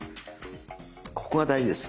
ここが大事です。